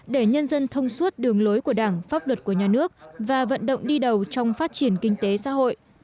để nhân dân thông suốt đường lối của đảng pháp luật của nhà nước và vận động đi đầu trong phát triển kinh tế xã hội